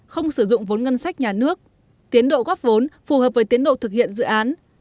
không sử dụng vốn ngân sách nhà nước tiến độ góp vốn phù hợp với tiến độ thực hiện dự án